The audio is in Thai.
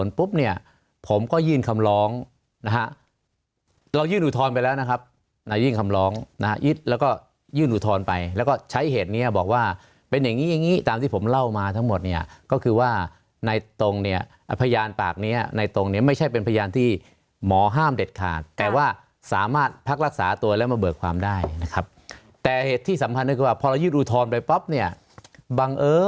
นะฮะยึดแล้วก็ยื่นอุทธรณ์ไปแล้วก็ใช้เหตุเนี้ยบอกว่าเป็นอย่างงี้อย่างงี้ตามที่ผมเล่ามาทั้งหมดเนี้ยก็คือว่าในตรงเนี้ยอ่ะพยานปากเนี้ยในตรงเนี้ยไม่ใช่เป็นพยานที่หมอห้ามเด็ดขาดแต่ว่าสามารถพักรักษาตัวแล้วมาเบิกความได้นะครับแต่เหตุที่สำหรับนึกว่าพอเรายื่นอุทธรณ์ไปป๊อบเนี้ยบังเอิ